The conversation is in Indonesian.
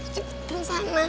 cepet ke sana